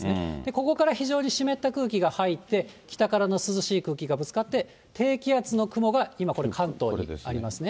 ここから非常に湿った空気が入って、北からの涼しい空気がぶつかって、低気圧の雲が今これ関東にありますね。